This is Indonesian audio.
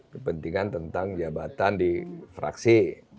kepentingan tentang jabatan di fraksi